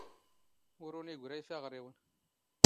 ⵓⵔⵓⵏ ⵉⴳⵯⵔⴰ ⵉⴼⴰⵖⵔⵉⵡⵏ